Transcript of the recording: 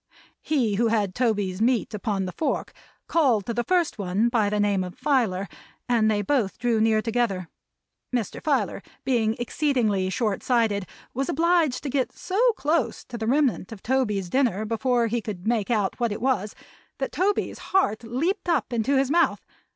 He who had Toby's meat upon the fork called to the first one by the name of Filer, and they both drew near together. Mr. Filer being exceedingly short sighted, was obliged to go so close to the remnant of Toby's dinner before he could make out what it was, that Toby's heart leaped up into his mouth.